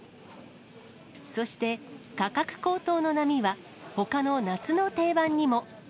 そして、価格高騰の波はほかの夏の定番にも。